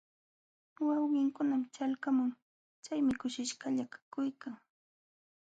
Wawinkunam ćhalqamun, chaymi kushishqalla kakuykan.